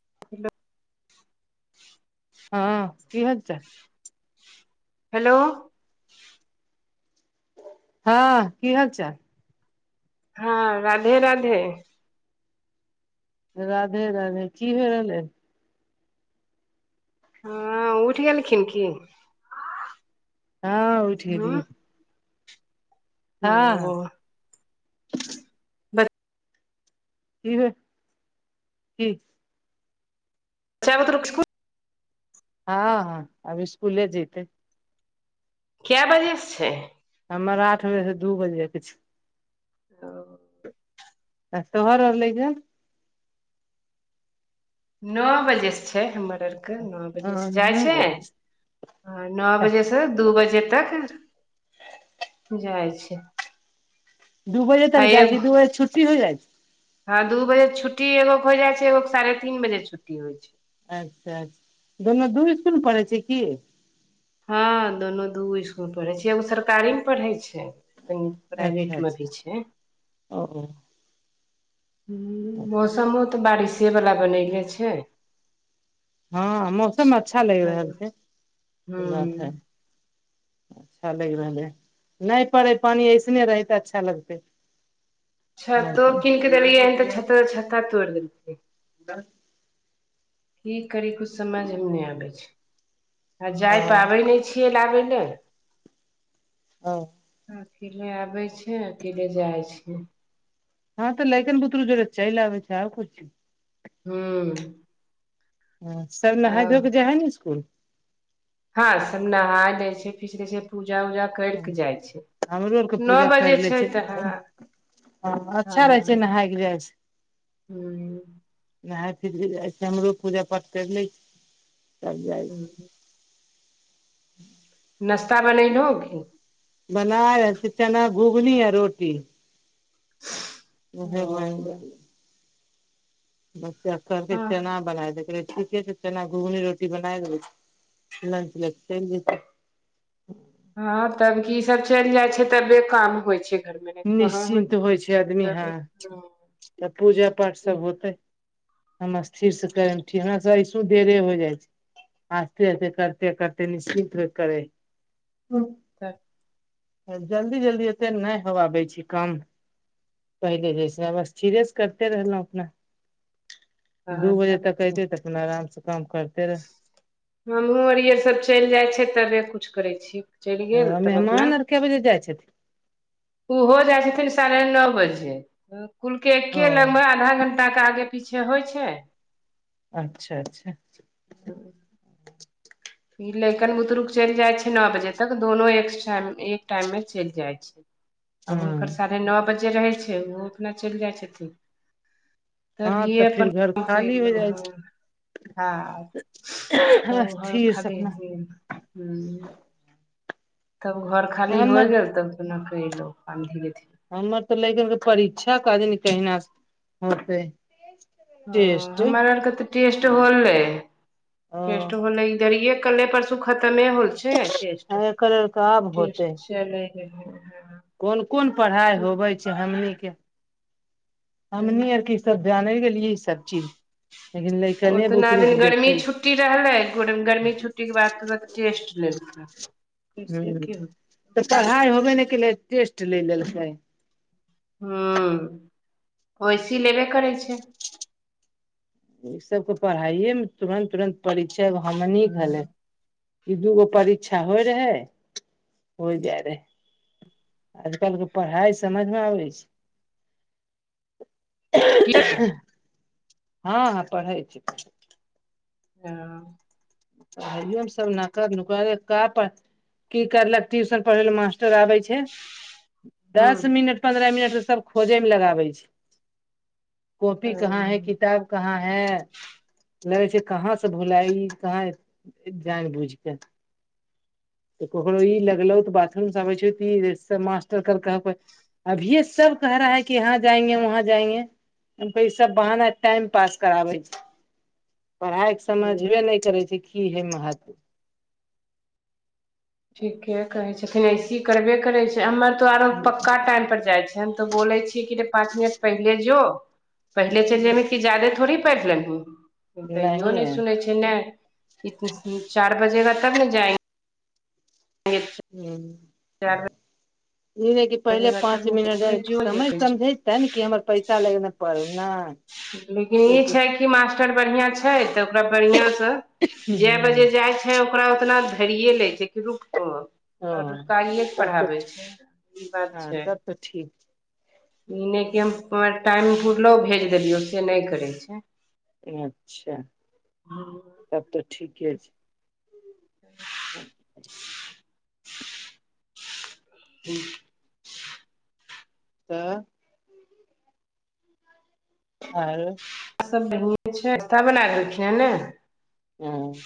[inaudible] हँ कि हल चाल हेलो हँ कि हाल चाल हँ राधे राधे राधे राधे की होइ रहलै हँ उठि गेलखिन की हँ ओठि हूँ गेलीये हँ ओ [inaudible] की [unintelligible] की [unintelligible] हँ हँ आब स्कूले जतै कए बजेसँ छै हमर आठ बजेसँ दू बजेके छै ह आ शहर रहल लै या नओ बजेसँ छै हमर आरके नओ बजेसँ हन जाइ नौ छै बजे अच्छा हं नओ बजे से दू बजे तक जाइ छै दू बजे आ तऽ गइ छी एगो दू बजे छुट्टी हो जाइ छै हँ दू बजे छुट्टीगो के हो जाइ छै एगो साढ़े तीन बजे छुट्टी होइ छै अच्छा दुोनू दू इसकुल मे पढ़ै छै कि हँ दोनू दूगो इसकुल पढ़े छै एगो सरकारी मे पढ़ै छै कनि अच्छा प्राइवेटमे भी अच्छा छै ओ ओ ह मौसमो तऽ बारिसेवला बनयले छै हँ मौसम अच्छा लगि रहल तब छै ई बात हूं है अच्छा लागि रहलै ह नहि पड़े पानि ऐसने रहै ते अच्छा लगते छतो कनक केल एत छत छत तोरदै बस की करी किुछु समझमे नहि आबै छै आ जाय हँ पाबै नहि छियै लाबै लए हू अकेले आबे छ अकेले जाइ छै हँ त लैकन बुतरू ज रचाइ ले छै आ पुछ हँ अछि सब नहााय धोए क जा है ने स्कूल हँ सब नहा दै छै पीस दै छै पूजा उजा कर हँ कऽ जाइ छै हमरो आरके नओ पूजा बजे कर लै छै तऽ लेकिन ह हँ अच्छा रहै छै नहाय के जाइ छै हूँ नहााय फिर भी जाइ छै हमरो पूजा पाठ कर ले छीिय तब जाइ छी हूं नाश्ता बनै लगी बना ह चना घुघनी है रोटी ओहे ओ ब बस असर कि हँ छैे ने बना दे ठीके छै चना घुघनी रोटी बना देबै लंच ल चलि जेत हँं तब की सब चलि जाइ छै तबे काम होइ छै घरमे नहि तऽ कहाँ होइत निश्चिन्त होइ छै आदमी तब हह हँ त पूजा पाठ सब होतै हम स्थिर से करे हमरा सब ऐसो देरे हो जाइ छै आस्ते हस्ते करते करते निश्चित र करै ह जल्दी जल्दी ओतेक नहि होवाबै छि कम पहिले जेैसेब स्थिरे से करते रहलहुँ अपना दू हँ बजे तब तक की एऐते तऽ अपना आराम से काम करते रहे हमहूँ आर य सब चलि जाइ छै तबे कुछु करै छी चलि गेल रह तब अपना मेहमान आर कै बजे जाइ छथिन ओहो जाइ छथिन साढ़े नओ बजे कुलके ओ एके लगब आधा घंटा आहा के आगे पीछे होइ छै अच्छा अच्छा ई लकन बुतरुक चलि जाय छै नओ बजे तक दोनो एक टाइ एक टाइम में चल जाय छै [unintelligible] आ हुनकर हँ साढ़े नओ बजे रहै छै ओहो अपना चलि जाइ छथिन हँ तभिए तऽ फिर अपन घर काम खाली हो कलहुँ जाइ हू छै हँ त ओ स्थिर से खाली अपना [unintelligible] तब घर खाली होइ हमर गेल तब केना केलहूँ धीरे धीरे हमर तऽ लेय कनके परीक्षा क कारण कहिना होतै ह टेस्ट हमर आरके तऽ टेस्ट होलै ओ टेष्ट होलै इधरिये कल्ले परसू खतमे होल छै टेस्ट एकर आब होतै टेस्ट चलै रहे [inaudible] कोन कोन पढ़ाइ होबे छै [inaudible] सब जाने [unintelligible] चीज लेकिन ल ओतना दिन गर्मी छुट्टी रहलै गर्मी छुट्टी के बाद तुरत टेस्ट लेलकै कैसे हुँ की होत तऽ पढ़ाइ होबे केलै टेस्ट ले लेलकै हू ओसी लेबे करै छै ई सबके पढ़ाइए मे तुरन्त तुरन्त परीक्षा हमनी हलै ई दूगो परीक्षा होइ रहै हो जाय रहै आज कलके पढ़ाइ समझमे आबै छै ठीक हँ हँ पढ़ै छी हँ पढ़यो सब नाकर नुकर का पर की करलक ट्यूशन पढ़वे लऽ मास्टर आबे छै दस मिनट पन्द्रह मिनट तऽ सब खोजेमे लगाबै छै कॉपी कहाँ है किताब कहाँ है लगै छै कहाँ से भुलाई कहाँ जान बुझ केऽ तऽ ककरो ई लगलो तऽ बाथरूम से अबे छै बड़ी लेट सँ त मास्टर काइल खुना कहे अभिये सब कह रहा है कि यहाँ जाएंगे वहाँ जाएंगे हमको सब बहाना टाइम पास कराबै छै पढ़ाइ ह समझबे नहि करै छै की हेय महत्त्व ठीके कहे छथिन ऐसी करबे करे छै हमर तो आरो पक्का टाइम पर जाय छै हम तो बोलै छियै कि रे पाँच मिनट पहिले जो पहिले चैल जेबही की जादे थोड़ी पैढ़ लेमही तयो नै नहिये सुने छै नइ नहि चार बजेगा तब न जाएंगे [inaudible] हु चारि ई नहि कि पहिले बजेगा पाँच तब ने ओकरे मिनट जो जे समय कहै समझे तैन कि हमर पैसा लगेना पड़ न लेकिन ई छै कि मास्टर बढ़िया छै तऽ ओकरा बढ़िया से जेय ह बजे जाइ छै ओकरा ओतना धरिये ले छै कि रुक तो ओ ओकरा रुकइए कऽ तब तऽ पढ़ाबे छै ई बात हँ छै तब तऽ ठीक ई नहि कि हम टाइम पुरलो भेज देलियौ से नहि करै छै अच्छा तब तऽ ठीके छै [inaudible] [inaudible] [inaudible] तऽ आरो सब [unintelligible] छै सब ल गेलखिन ह ने हँ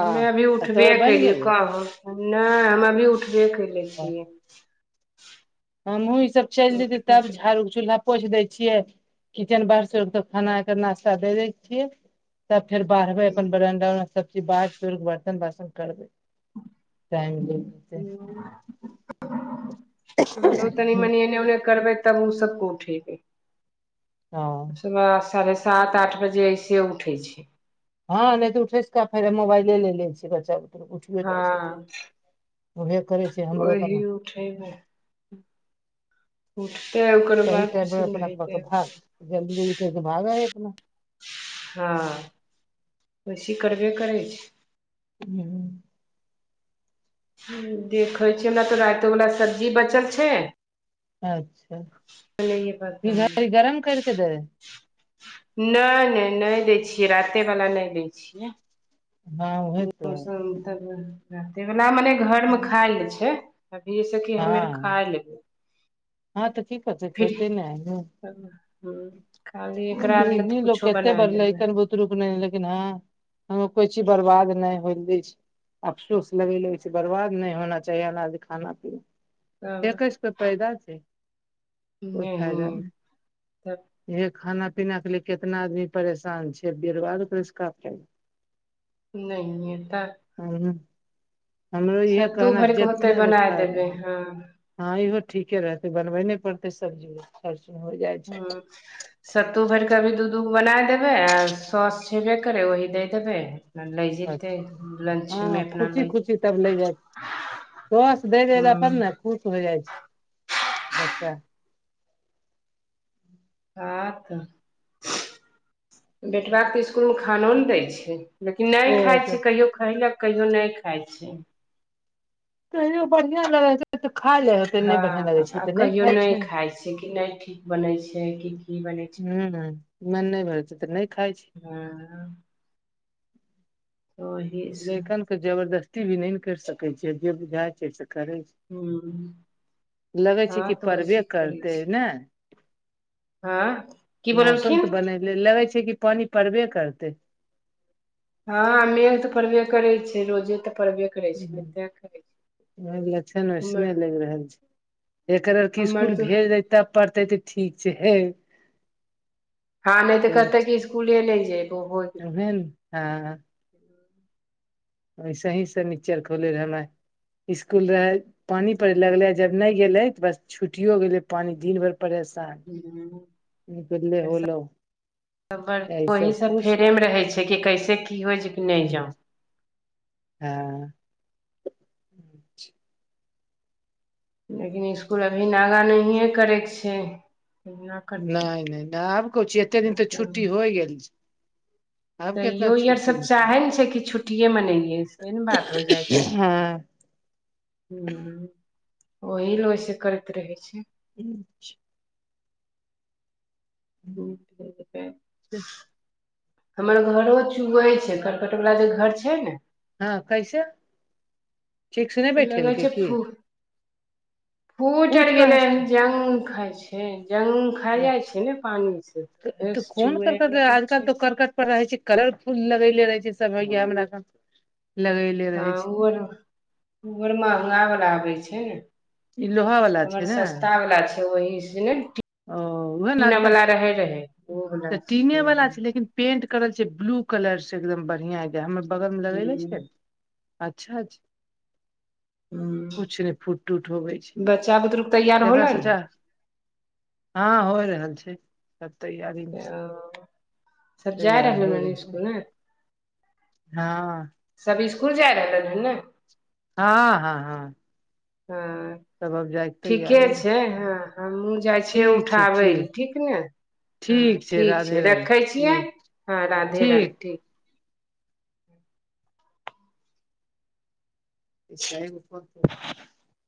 हमे अभी उठबे तोहर बनि कलियै गेलै कहऽ नहि हम अभी उठबे कले छियै हमूँ ईसभ चलि जेतै तब झाड़ू चूलहा पोछि दै छियै किचेन बाहर सोर के खाना के नास्ता दे दै छियै तब फेर बाढ़बै अपन बरंडा - उरंडा सभ सबचीज बाहैर सोर केऽ बर्तन बासन करबै [unintelligible] हमरो तनि मनि एने ओने करबै तब ओ सभको उठेबै हँ सुबह साढ़े सात आठ बजे ऐसे उठै छै हँ नै तऽ उठेस का फेरोबाइल ले छी बच्चा उठियो हँ जाइ छै उहे करै छै हमरो क न ठेमे उठते ओकर सही बाद टाइम पर सब अपना अपना नहेते के भाग जल्दी जल्दी कर के भागै है अपना हँ औसी करबे करै छै हं देखैछी हमरा तो रातो वला सब्जी बचल छै अच्छा बनैये पता नहि गरम करके द नै नै नय दै छियै राते वला नय दै छियै हँ उहे म तऽ मौसम तब रातेवला मने घर मे खाय ले छै अभी जैस कि हमेर हँ खाय लेबै हँ तऽ की करतै फिर खेतै ने खाली एकरा ले त कुछो बना दे कय कन बुतरुक नै लेकिन ह कोइ चीज बर्बाद नय होल दै छै अफसोस लगै ल ओै छै बर्बाद नय होना चाहिए अनाज खाना पीना तब कै स कोइ फायदा छै कोइ फायदा नहिये तब नहि ये खाना पीना के लए कितना आदमी परेशान छै बेरुाद नहि त हमरो इह सत्तू कहना भरिके होतै जतने र बना खाय देबै रह है हँ हँ इहो ठीके रहतै बनबे ने पड़तै सब्जी खरचन हो जाइछै ह सत्तू भइरके अभी दू दूगो बनाय देबै आ सॉस छेबे करै वही द देबै लै जेतै अच्छा अपना लाग जतै लन्चमे हँ अपना लाग जतै सस दै द पर ने खुश हो जाइ छै बच्चा हँं त बेटबाके तऽ इसकुलमे खानो ने दै छै लेकिन ओ नय खाइ अच्छा छै कहियो खयलक कहियो नइ खाइत छै कहियो बढ़िआँ लगै छै तऽ खा ले हँ नहि बढ़िया लगे छै आ तऽ नहि कहियो खाय नइ छै खाइ छियै कि नहि ठीक बनै छै कि की बनै छै हं हं मन नहि भर छै त नय खाय छी हं ओ लेखनके जबरदस्ती भी नहि ने कइरसकै छियै जे बुझाइ छै से करै ह छै लगै हँ छै कि तऽ वैसे परबे करै करतै छै ने हँ की मौसम बोललखिन तऽ बनलै लगै छै कि पानि पड़बे करत हं मेघ तऽ पड़बे करै छै रोजे तऽ पड़बे करै छै कतेक करै छै लछन वैसन हमर लगि रहल छै एकरर क हमर स्सकुल तऽ भेज दे तब पढ़तै त ठीक छै हे हँ नय तऽ करत की स्कूले नै जैबो होय वे हँ ह वसेहीसँ चर खोले रह हम इसकूल रहे पानी परे लगले जब नहि गेले त बस छुटो गेले पानी दिन भर परेशान गेलौ बे ले होलो त बड़ यही ओहि सब खुश फेरेमे रहै छै कि कैसे की होइ छै कि नै जाउ हँ लेकिन इसकुल अभी नागा नहिए करयके छै करतै नै नै न आब कह एते दिन तऽ छुट्टी होइ गेल छै तैयो ई आर सब चाहै ने छै कि छुट्टि मनेले से ने बात हो जाइ छै हँ हं ओहि ल ओस करैत रहै छै अं छ [inaudible] हमर घरो चुएै छै करकट वला जे घर छै ने हं कैसे ठीक से नै बैठेलकै की फूइट आर फुटि कहाँ गेलै से जंग खा छै जंख भायजाइ अच्छा छै ने पानी से तऽ उहे कोन चुए करकट लगै आजकल तो छै करकट पर रहे छै कलरफुल लगैले रहे छै सबैया हमरा सब लगेे हं ओर ओ आर महंगावला आबै छै ने ई लोहा वाला छै हमर ने सस्ता वला छय ओहि स ने ओ उएह ने पीना आजकल वला रहै रहै ओहो तऽ टीने वाला छै लेकिन पेंट करल छ ब्लू कलर से एकदम बढ़िया ह हमर बगल मे लगैले छै हूँ अच्छा कुछु नै फूटटूट होबै छै बच्चा बुतरुक तैयार देखरा होलन सचा हँ होय रहल छै त तैयारी ओ सब जा तैयार रहलन हो हन रह इसकुल ने हँ सब इसकुल जाय रहलन हन ने हँ हँ हं हँ ठीके तैयारी मे छै ह हमहु जाइ छियै ठीक छै उठाबै लए ठीक ने हं ठीक राधे छै राधे रखै छियै ठीक हँ राधे राधे ठीक [inaudible]